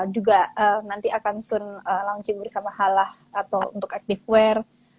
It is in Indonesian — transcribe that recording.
juga nanti akan soon launching bersama halah atau untuk activewear